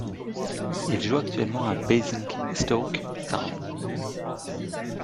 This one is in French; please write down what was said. Il joue actuellement à Basingstoke Town.